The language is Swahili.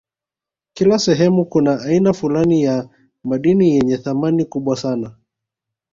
Kila sehemu kuna aina fulani ya madini yenye thamani kubwa sana